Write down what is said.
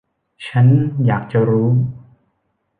ฉันอยากจะรู้.